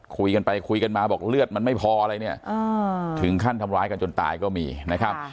คุยกันไปคุยกันมาบอกเลือดมันไม่พออะไรเนี่ยถึงขั้นทำร้ายกันจนตายก็มีนะครับ